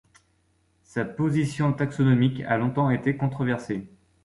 Sa position taxonomique a longtemps été controversée.